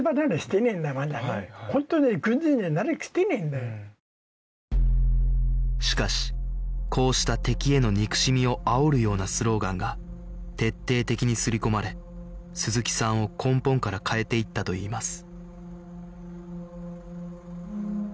もうしかしこうした敵への憎しみをあおるようなスローガンが徹底的に刷り込まれ鈴木さんを根本から変えていったといいます